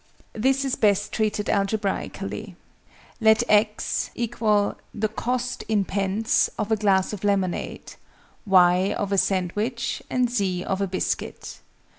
_ This is best treated algebraically. Let x = the cost (in pence) of a glass of lemonade, y of a sandwich, and z of a biscuit.